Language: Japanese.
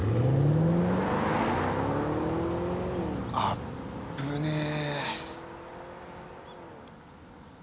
あっぶねえ。